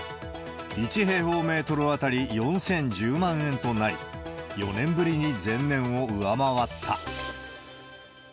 １平方メートル当たり４０１０万円となり、４年ぶりに前年を上回った。